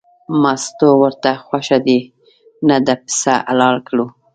مستو ورته وویل خوښه دې نه ده پسه حلال کړو.